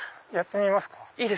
やってみますか？